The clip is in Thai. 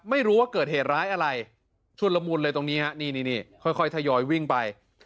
ไม่รู้ว่าเกิดเหตุร้ายอะไรชุดละมุนเลยตรงนี้ฮะนี่ค่อยทยอยวิ่งไป